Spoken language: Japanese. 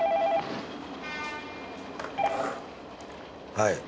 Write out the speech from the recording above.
はい。